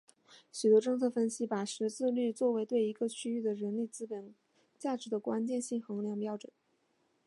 许多政策分析把识字率作为对一个区域的人力资本价值的关键性衡量标准。